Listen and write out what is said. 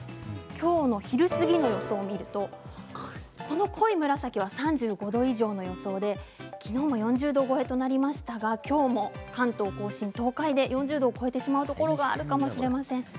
きょうの昼過ぎの様子を見るとこの濃い紫は３５度以上の予想できのうも４０度を超えとなりましたが、きょうも関東甲信、東海で４０度を超えてしまうところがあるかもしれません。